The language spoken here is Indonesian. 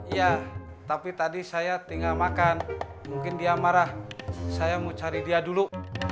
iya tapi tadi saya tinggal makan mungkin dia marah saya mau cari dia dulu